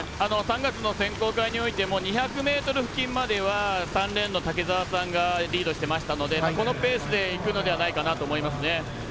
３月の選考会においても２００ｍ付近までは３レーンの竹澤さんがリードしていましたのでこのペースでいくのではないかと思いますね。